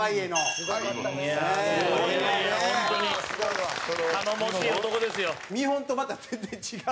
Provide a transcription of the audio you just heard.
蛍原：見本と、また全然違う。